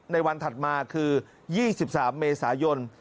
ในวันถัดมาคือ๒๓เมษายน